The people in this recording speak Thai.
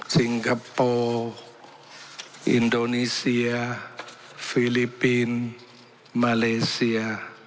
คโปร์อินโดนีเซียฟิลิปปินส์มาเลเซีย